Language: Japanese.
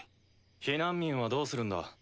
避難民はどうするんだ？